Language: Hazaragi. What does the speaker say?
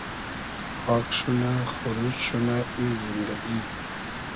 خاگ شونۂ خوروشت شونۂ ای زیندئگی